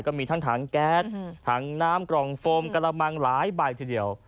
ก็มีทั้งถังแก๊สถังน้ำกล่องโฟมกระมังหลายใบทีเดียว